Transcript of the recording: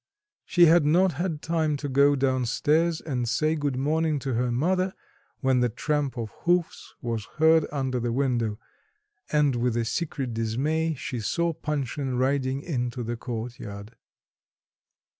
She had not had time to go down stairs and say good morning to her mother, when the tramp of hoofs was heard under the window, and with a secret dismay she saw Panshin riding into the courtyard.